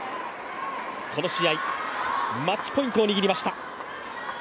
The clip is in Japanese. この試合、マッチポイントを握りました。